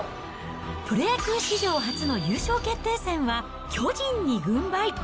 プロ野球史上初の優勝決定戦は、巨人に軍配。